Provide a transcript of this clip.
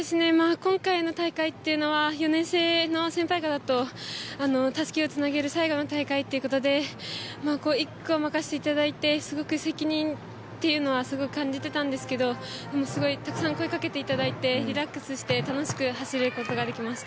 今回の大会は４年生の先輩方とたすきをつなげる最後の大会ということで１区を任せていただいてすごく責任というのはすごく感じてたんですけどたくさん声をかけていただいてリラックスして楽しく走ることできました。